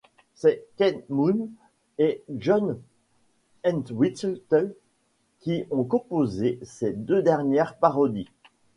C'est Keith Moon et John Entwistle qui ont composé ces deux dernières parodies.